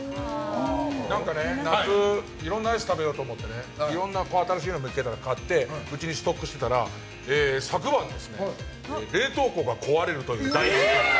何かね、夏、いろんなアイス食べようと思ってねいろんな新しいの見つけたら買ってうちにストックしてたら昨晩ですね冷凍庫が壊れるという。